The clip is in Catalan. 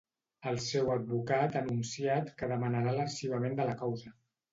El seu advocat ha anunciat que demanarà l'arxivament de la causa.